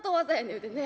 いうてね。